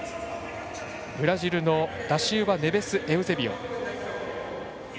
ブラジルのダシウバネベスエウゼビオ。